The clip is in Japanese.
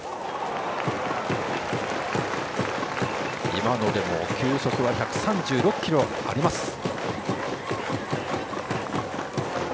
今のでも球速は１３６キロありました。